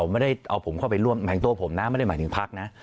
ผมไม่ได้เอาผมเข้าไปล่วนหมายถึงตัวผมนะไม่ได้หมายถึงพลักษณ์นะ